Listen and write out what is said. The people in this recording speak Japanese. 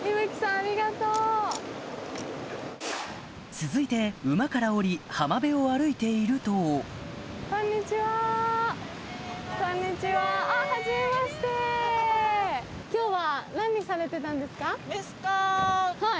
続いて馬から下り浜辺を歩いているとこんにちは。